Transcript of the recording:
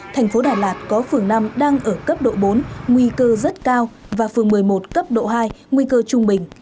thành phố đà lạt có phường năm đang ở cấp độ bốn nguy cơ rất cao và phường một mươi một cấp độ hai nguy cơ trung bình